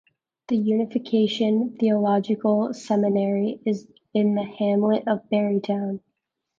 The Unification Theological Seminary is in the hamlet of Barrytown.